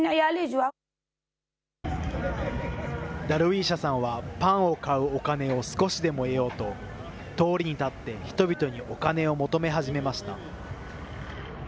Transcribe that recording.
ダルウィーシャさんはパンを買うお金を少しでも得ようと通りに立って人々にお金を求め始めました。